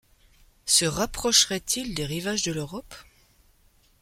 Se rapprocherait-il des rivages de l’Europe ?